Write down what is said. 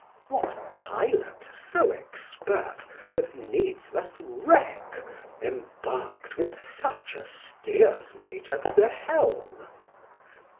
What Pilot so expert but needs must wreck Embarqu'd with such a Stears mate at the Helm?